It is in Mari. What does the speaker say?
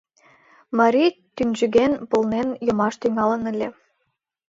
Марий тӱнчыген, пылнен йомаш тӱҥалын ыле.